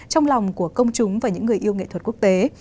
trong lòng của công chúng và những người yêu nghệ thuật quốc tế